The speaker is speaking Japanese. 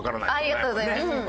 ありがとうございます。